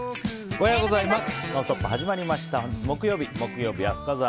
おはようございます。